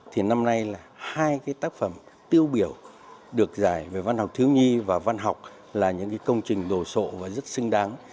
thì năm nay hai tác phẩm tiêu biểu được giải về văn học thiếu nhi và văn học là những công trình đồ sộ và rất xứng đáng